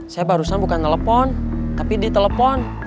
saya barusan bukan ngelepon tapi ditelepon